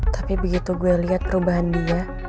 tapi begitu gue lihat perubahan dia